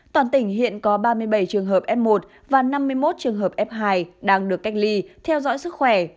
toàn tỉnh hiện có ba mươi bảy trường hợp f một và năm mươi một trường hợp f hai đang được cách ly theo dõi sức khỏe